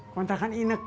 kontra kan ini kek